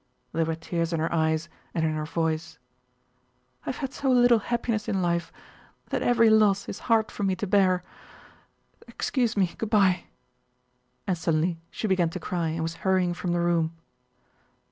There were tears in her eyes and in her voice. "I have had so little happiness in life that every loss is hard for me to bear.... Excuse me, good by!" and suddenly she began to cry and was hurrying from the room.